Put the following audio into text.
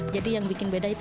jadi yang bikin beda itu